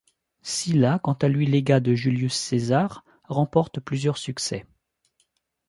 Sylla, quant à lui légat de Julius César, remporte plusieurs succès.